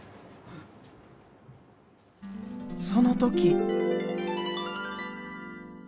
その時。